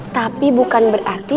tapi bukan berarti